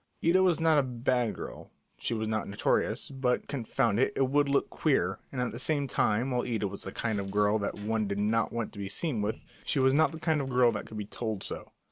Ida was not a bad girl, she was not notorious, but, confound it, it would look queer; and at the same time, while Ida was the kind of girl that one did not want to be seen with, she was not the kind of girl that could be told so.